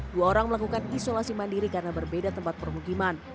dua orang melakukan isolasi mandiri karena berbeda tempat permukiman